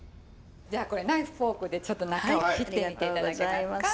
じゃあこれナイフフォークでちょっと中を切ってみて頂けますか？